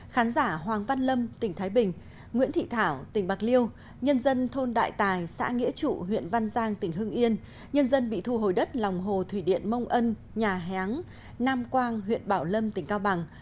khán giả hoàng văn lâm tỉnh thái bình nguyễn thị thảo tỉnh bạc liêu nhân dân thôn đại tài xã nghĩa trụ huyện văn giang tỉnh hưng yên nhân dân bị thu hồi đất lòng hồ thủy điện mông ân nhà hén nam quang huyện bảo lâm tỉnh cao bằng